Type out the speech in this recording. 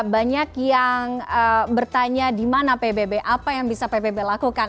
banyak yang bertanya di mana pbb apa yang bisa pbb lakukan